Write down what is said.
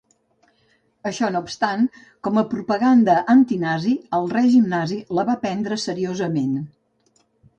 Això no obstant, com a propaganda antinazi, el règim nazi la va prendre seriosament.